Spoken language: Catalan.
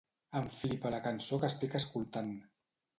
Em flipa la cançó que estic escoltant.